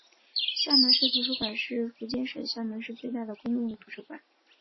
厦门市图书馆是福建省厦门市最大的公共图书馆。